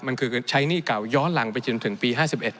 มันคือใช้หนี้เก่าย้อนหลังไปจนถึงปี๕๑